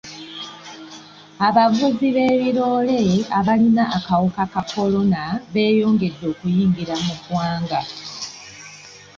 Abavuzi ba biroole abalina akawuka ka kolona beeyongedde okuyingira mu ggwanga.